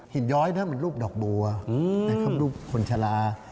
ย้อยนะมันรูปดอกบัวนะครับรูปคนชะลา